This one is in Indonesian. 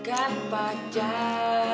kamu bukan pacar